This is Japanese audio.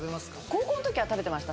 高校の時は食べてました